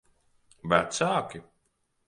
Vecāki?